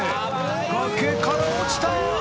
崖から落ちた！